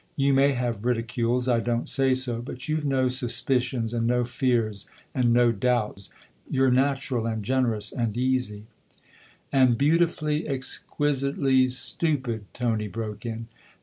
You may have ridicules I don't say so ; but you've no suspicions and no fears and no doubts; you're natural and generous and easy "" And beautifully, exquisitely stupid !" Tony broke in.